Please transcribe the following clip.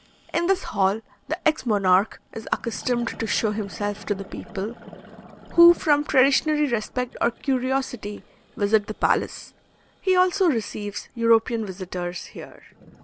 In this hall the ex monarch is accustomed to show himself to the people, who, from traditionary respect or curiosity, visit the palace. He also receives European visitors here.